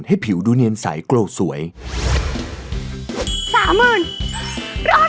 โอ้โหโอ้เดี๋ยวโอ้เดี๋ยวโอ้เดี๋ยวโอ้เดี๋ยวโอ้เดี๋ยว